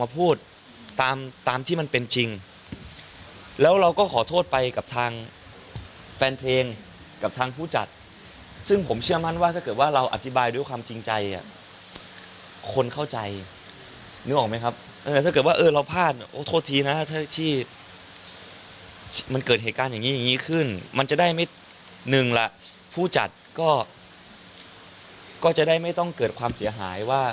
พูดตามตามที่มันเป็นจริงแล้วเราก็ขอโทษไปกับทางแฟนเพลงกับทางผู้จัดซึ่งผมเชื่อมั่นว่าถ้าเกิดว่าเราอธิบายด้วยความจริงใจอ่ะคนเข้าใจนึกออกไหมครับแต่ถ้าเกิดว่าเออเราพลาดโอ้โทษทีนะถ้าที่มันเกิดเหตุการณ์อย่างนี้ขึ้นมันจะได้ไม่หนึ่งล่ะผู้จัดก็จะได้ไม่ต้องเกิดความเสียหายว่า